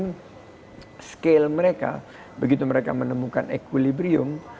kalau mereka menemukan scale mereka begitu mereka menemukan equilibrium